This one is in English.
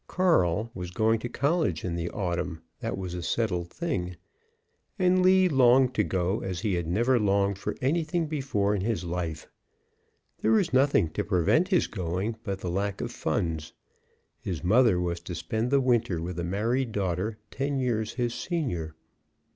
Carl (was going to college in the autumn, that was a settled thing), and Lee longed to go as he had never longed for anything before in his life. There was nothing to prevent his going but the lack of funds. His mother was to spend the winter with a married daughter, ten years his senior.